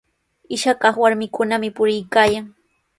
Ishakaq warmikunami puriykaayan.